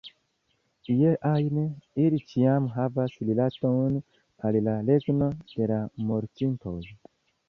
Iel ajn, ili ĉiam havas rilaton al la regno de la mortintoj.